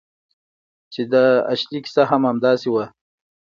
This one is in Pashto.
چې د اشلي کیسه هم همداسې وه